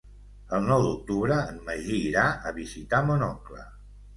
El nou d'octubre en Magí irà a visitar mon oncle.